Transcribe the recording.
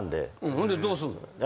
ほんでどうすんの？